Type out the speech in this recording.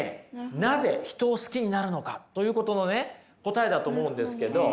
なぜ人を好きになるのかということのね答えだと思うんですけど。